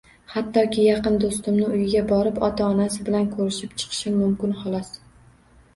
Hattoki yaqin doʻstimni uyiga borib ota-onasi bilan koʻrishib chiqishim mumkin xolos.